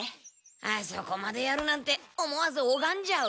あそこまでやるなんて思わずおがんじゃう。